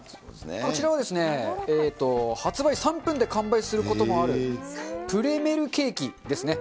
こちらはですね、発売３分で完売することもあるプレメルケーキですね。